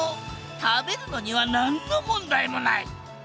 食べるのには何の問題もない。